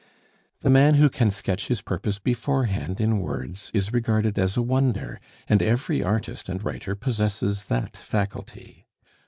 The man who can sketch his purpose beforehand in words is regarded as a wonder, and every artist and writer possesses that faculty.